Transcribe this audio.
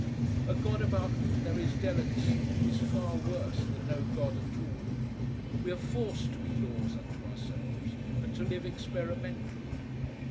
A god about whom there is delicacy is far worse than no god at all. We are FORCED to be laws unto ourselves and to live experimentally.